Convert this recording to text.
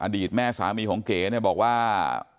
แม่สามีของเก๋เนี่ยบอกว่า